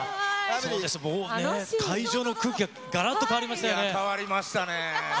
会場の空気ががらっと変わり変わりましたね。